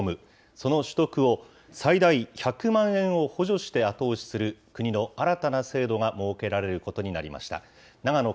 その取得を、最大１００万円を補助して後押しする国の新たな制度が設けられることになります。